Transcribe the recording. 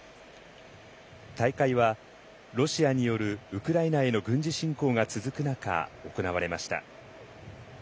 大会は、ロシアによるウクライナへの軍事侵攻が続く中行われました。